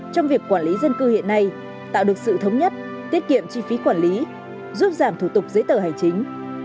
trong việc quản lý dân cư hiện nay tạo được sự thống nhất tiết kiệm chi phí quản lý giúp giảm thủ tục giấy tờ hành chính